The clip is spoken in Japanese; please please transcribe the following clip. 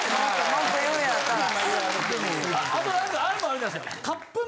あとなんかあれもあるじゃないですか。